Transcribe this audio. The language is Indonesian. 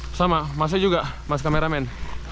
mas kamu juga mas kamu juga mas kameramen